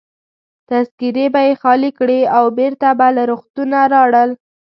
تذکیرې به يې خالي کړې او بیرته به له روغتونه ولاړل.